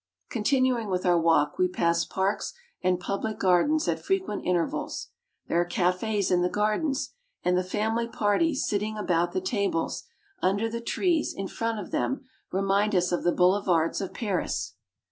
Continuing with our walk we pass parks and public gar dens at frequent intervals. There are cafes in the gardens, Palace of the King. and the family parties, sitting about the tables, under the trees, in front of them, remind us of the boulevards of Paris.